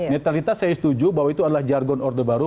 neutralitas saya setuju bahwa itu adalah jargon order baru